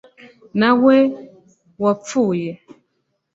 na we wapfuye